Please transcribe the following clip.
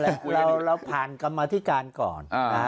เหมือนค่ะทั้งคณะเราผ่านกรรมมาธิการก่อน